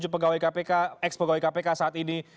tujuh pegawai kpk ex pegawai kpk saat ini